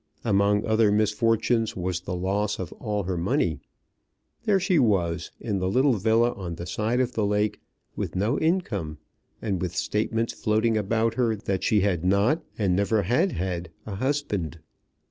Among other misfortunes was the loss of all her money. There she was, in the little villa on the side of the lake, with no income, and with statements floating about her that she had not, and never had had, a husband.